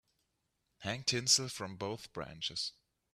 Hang tinsel from both branches.